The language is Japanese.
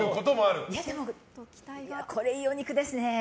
これいいお肉ですね。